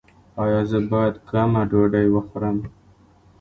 ایا زه باید کمه ډوډۍ وخورم؟